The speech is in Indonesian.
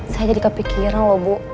saya jadi kepikiran loh bu